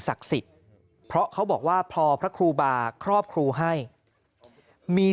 สิทธิ์เพราะเขาบอกว่าพอพระครูบาครอบครูให้มี